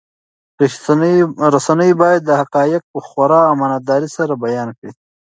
رسنۍ باید حقایق په خورا امانتدارۍ سره بیان کړي.